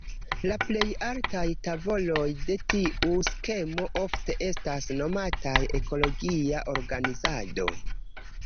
La plej altaj tavoloj de tiu skemo ofte estas nomataj "ekologia organizado".